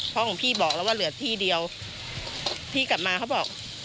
ของพี่บอกแล้วว่าเหลือที่เดียวพี่กลับมาเขาบอก